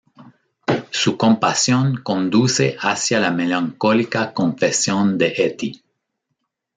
Su compasión conduce hacia la melancólica confesión de Hetty.